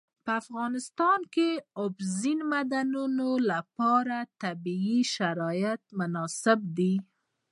په افغانستان کې د اوبزین معدنونه لپاره طبیعي شرایط مناسب دي.